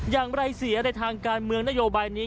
อย่างไรเสียในทางการเมืองนโยบายนี้